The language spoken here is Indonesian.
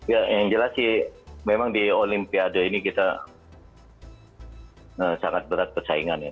ya yang jelas sih memang di olimpiade ini kita sangat berat persaingannya